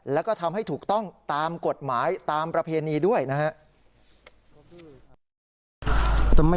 แล้วก็ทำให้ถูกต้องตามกฎหมายตามประเพณีด้วยนะครับ